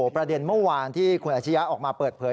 ประเด็นเมื่อวานที่คุณอาชิยะออกมาเปิดเผย